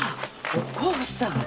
お甲さん。